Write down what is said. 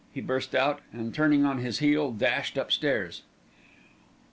he burst out, and turning on his heel, dashed upstairs.